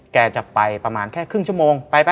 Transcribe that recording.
แกจะไปแค่ประมาณครึ่งชั่วโมง